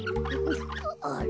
あれ？